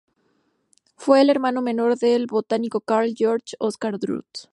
Fue el hermano menor del botánico Carl Georg Oscar Drude.